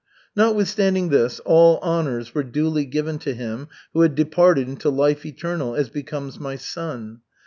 "Notwithstanding this, all honors were duly given to him who had departed into life eternal, as becomes my son.